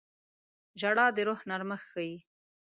• ژړا د روح نرمښت ښيي.